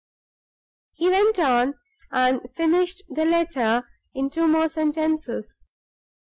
He went on, and finished the letter in two more sentences.